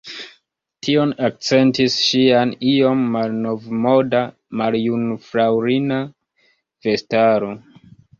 Tion akcentis ŝia iom malnovmoda, maljunfraŭlina vestaro.